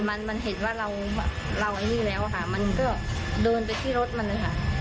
มันมันเห็นว่าเราเราไอ้นี่แล้วค่ะมันก็เดินไปที่รถมันเลยค่ะ